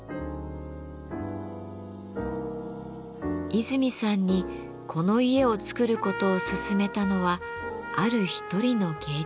和泉さんにこの家を造ることを勧めたのはある一人の芸術家でした。